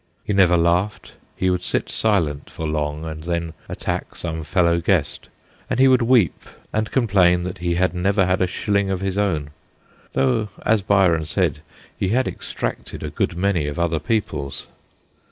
He never laughed ; he would sit silent for long, and then attack some fellow guest ; and he would weep and complain that he had never had a shilling of his own though, as Byron said, he had extracted a good many of other people's.